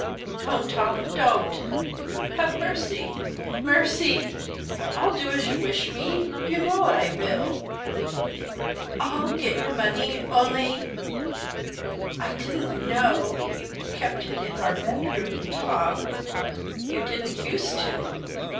"Don't, Tom, Don't! Have mercy mercy! I'll do as you wish me you know I will; I'll get your money. Only I didn't know you kept it in our bedroom Tom. You didn't use to."